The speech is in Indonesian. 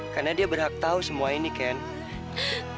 karena dia berhak tahu semua ini kan